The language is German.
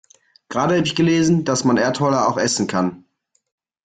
Gerade hab ich gelesen, dass man Erdholler auch essen kann.